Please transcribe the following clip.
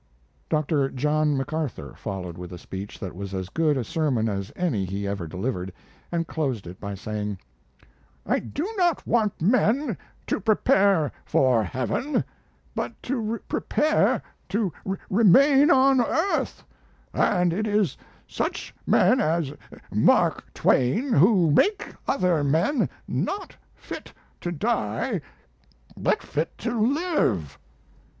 Dr. John MacArthur followed with a speech that was as good a sermon as any he ever delivered, and closed it by saying: "I do not want men to prepare for heaven, but to prepare to remain on earth, and it is such men as Mark Twain who make other men not fit to die, but fit to live."